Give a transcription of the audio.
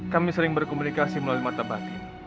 kami sering berkomunikasi melalui mata batin